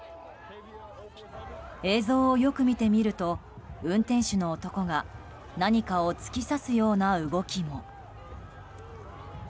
映像をよく見てみると運転手の男が何かを突き刺すような動きも。